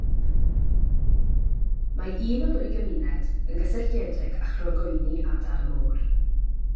Mae'n un o ddwy gymuned yn gysylltiedig â chlogwyni adar y môr.